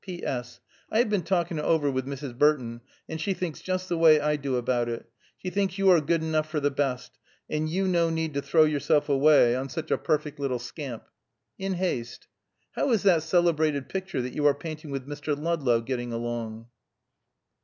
"P. S. I have been talken it over with Mrs. Burton, and she thinks just the way I do aboute it. She thinks you are good enough for the best, and you no need to throw yourself away on such a perfect little scamp. In haste. How is that cellebrated picture that you are painting with Mr. Ludlow getting along?"